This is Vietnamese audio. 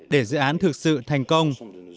để dự án thực sự thành công